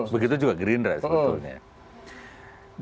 begitu juga greenright sebetulnya